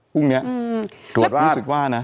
พรุ่งนี้ตรวจรู้สึกว่านะ